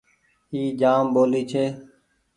اي جآم ٻولي ڇي ۔